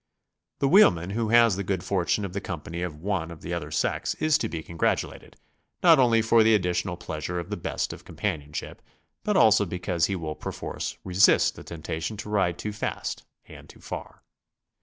The wheelman who has the good fortune of the company of one of the other sex is to be congratulated, not only for the additional pleasure of the best of companionship, but also because he will perforce resist the temptation to ride too fast and too far.